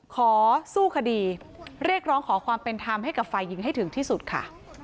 ขอสู้คดีเรียกร้องขอความเป็นธรรมให้กับฝ่ายหญิงให้ถึงที่สุดค่ะ